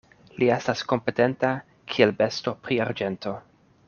Li estas kompetenta, kiel besto pri arĝento.